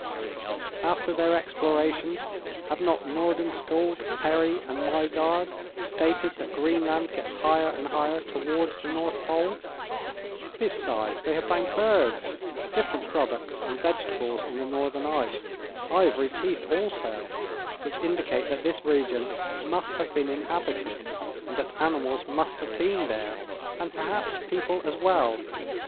"After their explorations have not Nordenskiold, Perry and Maaigaard stated that Greenland gets higher and higher towards the North Pole? "Besides, they have found birds, different products and vegetables in the northern ice ivory teeth also which indicate that this region must have been inhabited and that animals must have been there, and perhaps people as well.